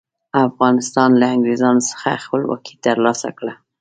افغانستان له انګریزانو څخه خپلواکي تر لاسه کړه.